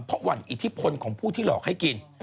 เพราะหวั่นอิทธิพลของผู้ที่หลอกให้กิน